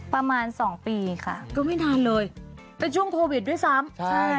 ประมาณสองปีค่ะก็ไม่นานเลยแต่ช่วงโควิดด้วยซ้ำ